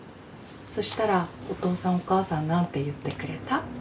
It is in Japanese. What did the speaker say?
そしたらお父さんお母さんなんて言ってくれた？